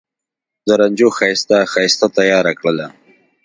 د رنجو ښایسته، ښایسته تیاره کرله